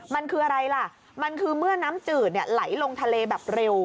มันคืออะไรล่ะมันคือเมื่อน้ำจืดไหลลงทะเลแบบเร็ว